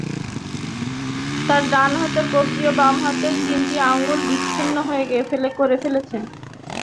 তাঁর ডান হাতের কবজি এবং বাঁ হাতের তিনটি আঙুল বিচ্ছিন্ন করে ফেলেছে।